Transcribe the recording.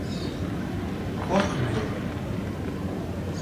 Korkmuyorum.